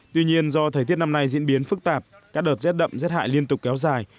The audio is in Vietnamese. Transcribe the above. tuy nhiên do thời tiết năm nay diễn biến phức tạp các đợt rét đậm rét hại liên tục kéo dài